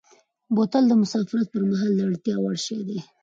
بوتل د مسافرت پر مهال د اړتیا وړ شی دی.